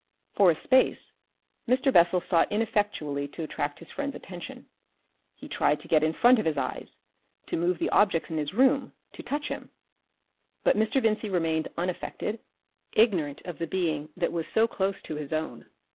For a space Mr. Bessel sought ineffectually to attract his friend's attention. He tried to get in front of his eyes, to move the objects in his room, to touch him. But Mr. Vincey remained unaffected, ignorant of the being that was so close to his own.